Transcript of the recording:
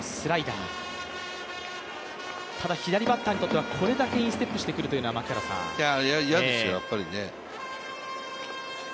ただ左バッターにとってはここまでインステップしてくるというのは嫌ですよ。